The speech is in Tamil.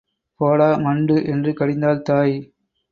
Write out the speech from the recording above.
போடா, மண்டு! என்று கடிந்தாள் தாய்.